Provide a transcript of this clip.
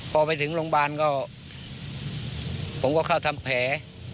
พอไปถึงโรงพยาบาลก็ผมก็เข้าทำแผล